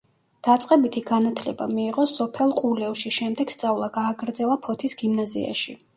დაწყებითი განათლება მიიღო სოფელ ყულევში, შემდეგ სწავლა გააგრძელა ფოთის გიმნაზიაში.